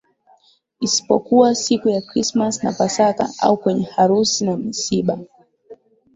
isipokuwa siku ya Krismasi na Pasaka au kwenye harusi na misiba